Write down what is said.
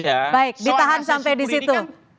baik ditahan sampai di situ